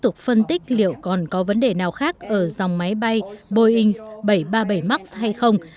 tục phân tích liệu còn có vấn đề nào khác ở dòng máy bay boeing bảy trăm ba mươi bảy max hay không